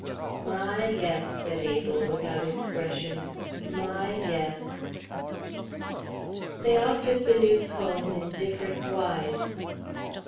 "My, yes," said Abel, without expression. "My, yes." They all took the news home in different wise.